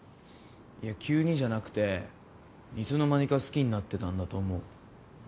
いや急にじゃなくていつの間にか好きになってたんだと思う。